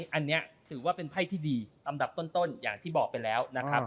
อันนี้ถือว่าเป็นไพ่ที่ดีอันดับต้นอย่างที่บอกไปแล้วนะครับ